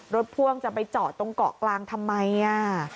พ่วงจะไปจอดตรงเกาะกลางทำไมอ่ะ